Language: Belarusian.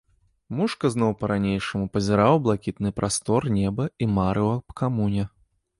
Мушка зноў па-ранейшаму пазіраў у блакітны прастор неба і марыў аб камуне.